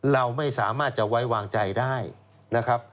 เราไม่สามารถจะไว้วางใจได้นะครับ